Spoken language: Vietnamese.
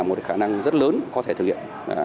một khả năng rất lớn có thể thực hiện